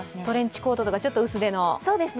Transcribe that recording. トレンチコートとかちょっと薄手の。